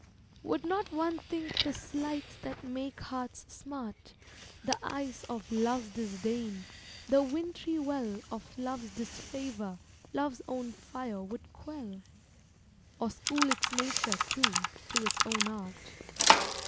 Would not one think the slights that make hearts smart, The ice of love's disdain, the wint'ry well Of love's disfavor, love's own fire would quell? Or school its nature, too, to its own art.